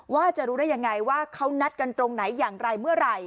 ว่าจะรู้ได้ยังไงว่าเขานัดกันตรงไหนอย่างไรเมื่อไหร่